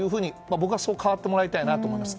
僕はそう変わってもらいたいです。